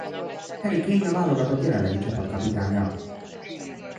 Harry Kane a válogatott jelenlegi csapatkapitánya.